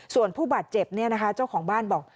ส่วนผู้บาดเจ็บเนี่ยนะคะเจ้าของบ้านบอก